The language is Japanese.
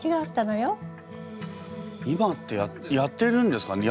いまってやってるんですかね？